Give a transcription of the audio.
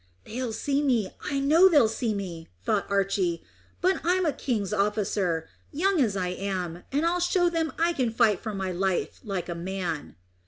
"They'll see me, I know they'll see me," thought Archy; "but I'm a king's officer, young as I am, and I'll show them that I can fight for my life like a man."